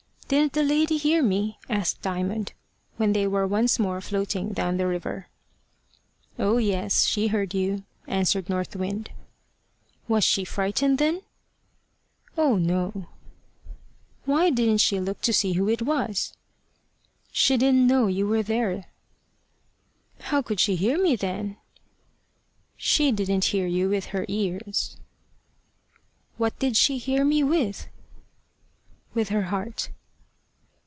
"Didn't the lady hear me?" asked Diamond when they were once more floating down the river. "Oh, yes, she heard you," answered North Wind. "Was she frightened then?" "Oh, no." "Why didn't she look to see who it was?" "She didn't know you were there." "How could she hear me then?" "She didn't hear you with her ears." "What did she hear me with?" "With her heart."